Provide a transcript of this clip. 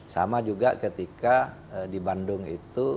sama juga ketika di bandung itu